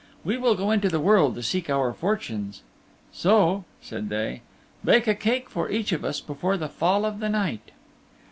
We will go into the world to seek our fortunes. So," said they, "bake a cake for each of us before the fall of the night."